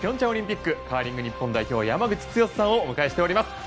オリンピックカーリング日本代表山口剛史さんをお迎えしています。